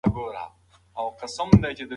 انټرنیټ د تحصیلي وسایلو ته لاسرسی اسانه کوي.